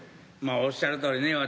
まあおっしゃるとおりね